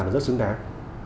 là rất xứng đáng